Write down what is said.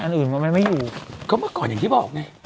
อื่นมันไม่อยู่ก็เมื่อก่อนอย่างที่บอกไง